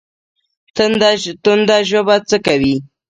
تنده ژبه څه کوي؟